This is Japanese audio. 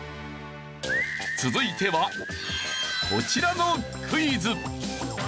続いてはこちらのクイズ。